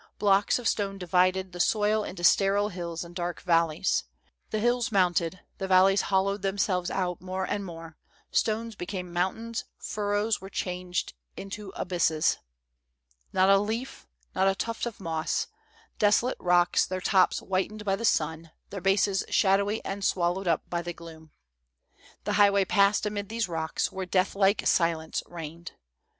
Blocks of stone divided the soil into sterile hills and dark valleys. The hills mounted, the valleys hollowed themselves out more and more ; stones became mountains, furrows were changed into abysses. ''Not a leaf, not a tuft of moss ; desolate rocks, their tops whitened by the sun, their bases shadowy and swallowed up by the gloom. The highway passed amid these rocks, where deathlike silence reigned.